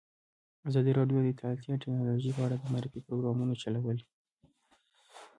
ازادي راډیو د اطلاعاتی تکنالوژي په اړه د معارفې پروګرامونه چلولي.